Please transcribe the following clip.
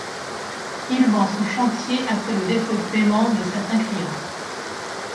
Il vend son chantier après le défaut de paiement de certains clients.